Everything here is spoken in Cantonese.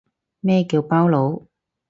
咩叫包佬